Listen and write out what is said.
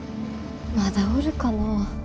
まだおるかなぁ。